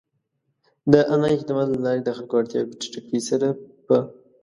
د آنلاین خدماتو له لارې د خلکو اړتیاوې په چټکۍ سره پ